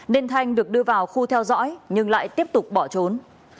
nên thanh được đưa vào khu theo dõi nhưng lại tiếp tục bỏ trốn